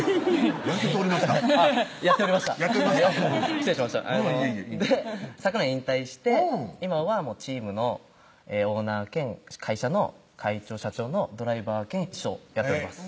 やっておりました失礼しましたいえいえで昨年引退して今はチームのオーナー兼会社の会長・社長のドライバー兼秘書をやっております